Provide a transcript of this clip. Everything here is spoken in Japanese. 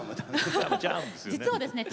実はですね